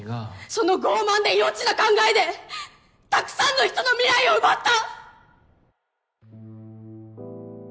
その傲慢で幼稚な考えでたくさんの人の未来を奪った！！